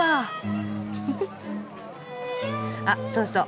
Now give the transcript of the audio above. あっそうそう